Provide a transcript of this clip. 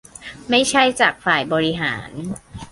ไม่ใช่จากฝ่ายบริหาร